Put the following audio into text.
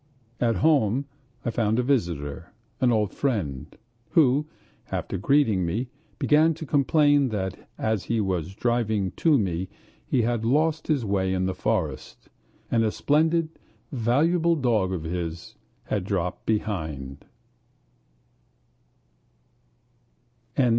At home I found a visitor, an old friend, who, after greeting me, began to complain that as he was driving to me he had lost his way in the forest, and a splendid valuable dog of his had dropped behind.